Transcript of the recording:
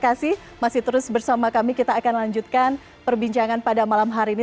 terima kasih masih terus bersama kami kita akan lanjutkan perbincangan pada malam hari ini